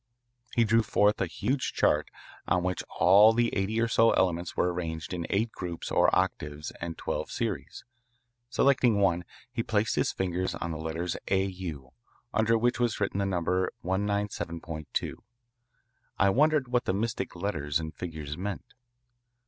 He drew forth a huge chart on which all the eighty or so elements were arranged in eight groups or octaves and twelve series. Selecting one, he placed his finger on the letters "Au," under which was written the number, 197.2. I wondered what the mystic letters and figures meant.